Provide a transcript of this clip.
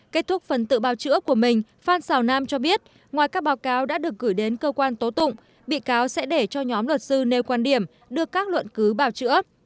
kết thúc phần tự bào chữa của mình phan xào nam cho biết ngoài các báo cáo đã được gửi đến cơ quan tố tụng bị cáo sẽ để cho nhóm luật sư nêu quan điểm đưa các luận cứu bào chữa